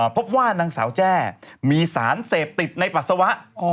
พบว่านางสาวแจ้มีสารเสพติดในปัสสาวะ